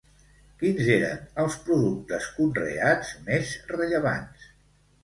Quins eren els productes conreats més rellevants?